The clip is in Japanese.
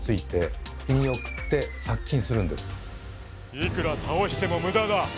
いくら倒しても無駄だ。